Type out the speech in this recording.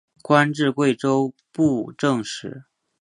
官至贵州布政使。